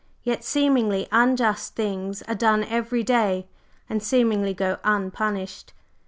Yet seemingly unjust things are done every day, and seemingly go unpunished.